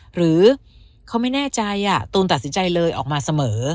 หรือเขาไม่แน่ใจตูนตัดสินใจเลยออกมาเสมอ